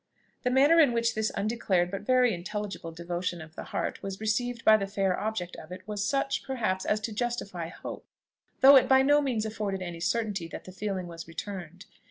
The manner in which this undeclared but very intelligible devotion of the heart was received by the fair object of it was such, perhaps, as to justify hope, though it by no means afforded any certainty that the feeling was returned.